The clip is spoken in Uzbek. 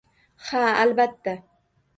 Ha, albatta.